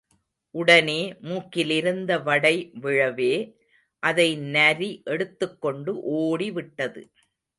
உடனே மூக்கிலிருந்த வடை விழவே—அதை நரி எடுத்துக்கொண்டு ஓடிவிட்டது.